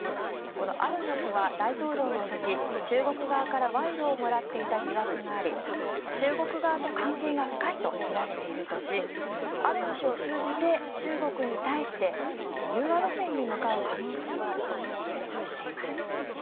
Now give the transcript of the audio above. このアロヨ氏は大統領の時中国側から賄賂をもらっていた疑惑があり中国側と関係が深いとみられているとしアロヨ氏を通じて中国に対して融和路線に向かう可能性はあると推測しています。